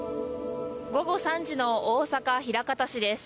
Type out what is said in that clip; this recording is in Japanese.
午後３時の大阪・枚方市です。